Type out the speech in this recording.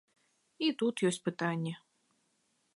І тут ёсць пытанні.